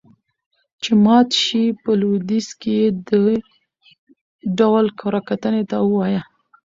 چې مات شي. په لويديځ کې يې دې ډول کره کتنې ته ووايه.